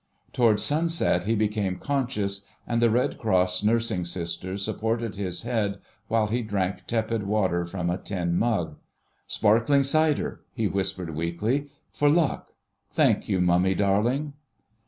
Towards sunset he became conscious, and the Red Cross nursing sister supported his head while he drank tepid water from a tin mug. "'Sparkling Cider,'" he whispered weakly, "for luck, ... thank you, mummie darling."